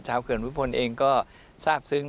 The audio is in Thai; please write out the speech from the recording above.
ชาวเคริญภูมิบิญเองก็ทราบซึ้ง